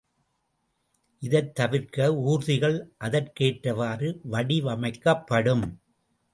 இதைத் தவிர்க்க ஊர்திகள் அதற்கேற்றவாறு வடிவமைக்கப்படும்.